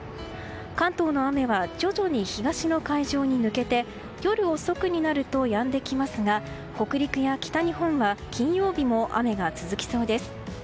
関東の雨は徐々に東の海上に抜けて夜遅くになるとやんできますが北陸や北日本は金曜日も雨が続きそうです。